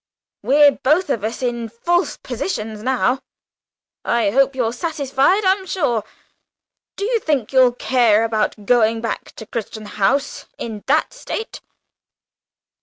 We're both of us in false positions now. I hope you're satisfied, I'm sure. Do you think you'll care about going back to Crichton House in that state?"